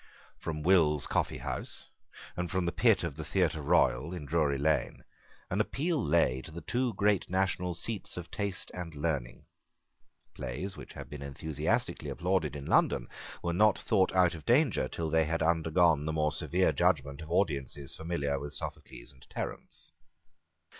From Will's coffee house, and from the pit of the theatre royal in Drury Lane, an appeal lay to the two great national seats of taste and learning. Plays which had been enthusiastically applauded in London were not thought out of danger till they had undergone the more severe judgment of audiences familiar with Sophocles and Terence.